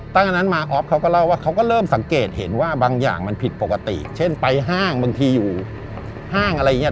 ตั้งแต่นั้นมาออฟเขาก็เล่าว่าเขาก็เริ่มสังเกตเห็นว่าบางอย่างมันผิดปกติเช่นไปห้างบางทีอยู่ห้างอะไรอย่างนี้